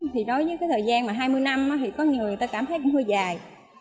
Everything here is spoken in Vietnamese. thì đối với cái thời gian mà hai mươi năm thì có người người ta cảm thấy cũng hơi dài